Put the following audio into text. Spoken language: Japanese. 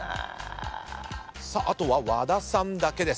あとは和田さんだけです。